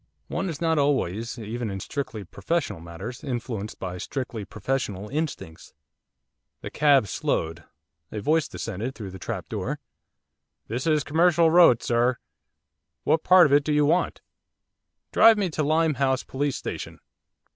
One is not always, even in strictly professional matters, influenced by strictly professional instincts. The cab slowed. A voice descended through the trap door. 'This is Commercial Road, sir, what part of it do you want?' 'Drive me to Limehouse Police Station.